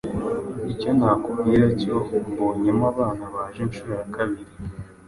icyo nakubwira cyo mbonyemo abana baje inshuro ya kabiri